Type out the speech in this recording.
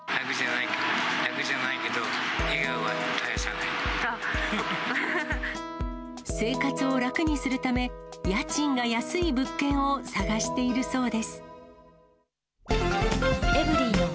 楽じゃないけど、楽じゃない生活を楽にするため、家賃が安い物件を探しているそうです。